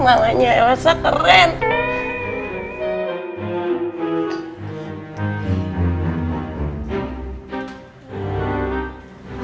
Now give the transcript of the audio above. makanya elsa keren